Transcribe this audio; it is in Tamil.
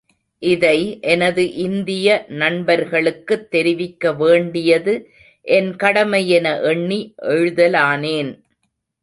இதை எனது இந்திய நண்பர்களுக்குத் தெரிவிக்க வேண்டியது என் கடமை என எண்ணி எழுதலானேன்.